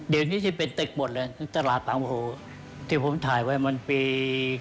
เดี๋ยวนี้จะเป็นตึกหมดเลยตลาดบางโพที่ผมถ่ายไว้มันปี